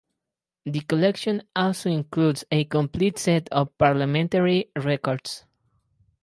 The collection also includes a complete set of Parliamentary records.